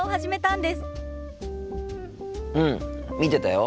うん見てたよ。